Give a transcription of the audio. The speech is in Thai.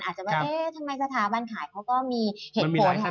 อาจจะว่าเอ๊ะทำไมสถาบันขายเขาก็มีเหตุผลค่ะ